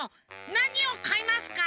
なにをかいますか？